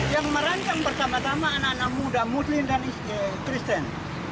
yang merancang bersama sama anak anak muda muslim dan kristen